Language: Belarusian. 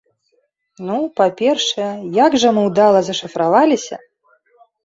Ну, па-першае, як жа мы ўдала зашыфраваліся!